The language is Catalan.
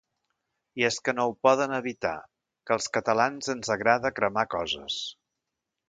I és que no ho poden evitar… Que als catalans ens agrada cremar coses.